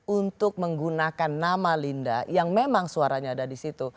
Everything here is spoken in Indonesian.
untuk menggunakan nama linda yang memang suaranya ada di situ